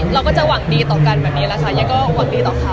เราก็จะหวังดีต่อกันแบบนี้แหละค่ะยังก็หวังดีต่อเขา